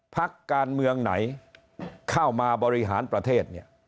พักการเมืองไหนเข้ามาบริหารประเทศเนี่ย